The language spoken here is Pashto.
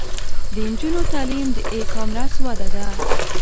د نجونو تعلیم د ای کامرس وده ده.